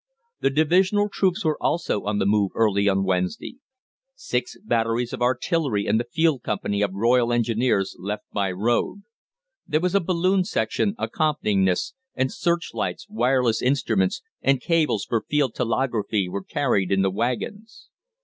The divisional troops were also on the move early on Wednesday. Six batteries of artillery and the field company of Royal Engineers left by road. There was a balloon section accompanying this, and searchlights, wireless instruments, and cables for field telegraphy were carried in the waggons.